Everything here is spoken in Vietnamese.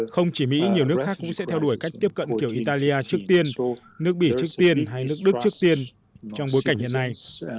không chỉ mỹ nhiều nước khác cũng sẽ theo đuổi cách tiếp cận kiểu italia trước tiên nước bỉ trước tiên hay nước đức trước tiên trong bối cảnh hiện nay